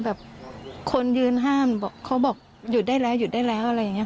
แบบคนยืนห้ามเขาบอกหยุดได้แล้วหยุดได้แล้วอะไรอย่างนี้